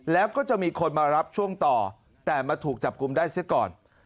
แล้วก็จะมีคนมารับช่วงต่อแต่มาถูกจับกลุ่มได้เสียก่อน